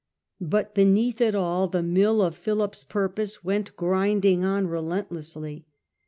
But beneath it all the mill of Philip's purpose went grinding on relentlessly.